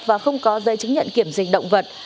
và không có dây chứng nhận kiểm dịch động vật